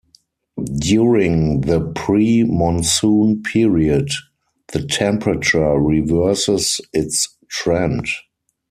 During the pre-monsoon period, the temperature reverses its trend.